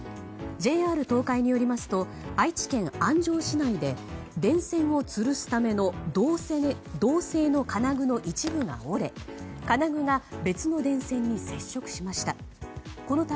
ＪＲ東海によりますと愛知県安城市内で電線をつるすための銅製の金具の一部が折れ金具が別の電線に接触しました。